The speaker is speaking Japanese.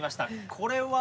これは。